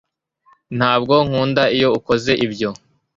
Ntabwo nkunda iyo ukoze ibyo